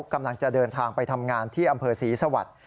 กำลังจะเดินทางไปทำงานที่อำเภอศรีสวัสดิ์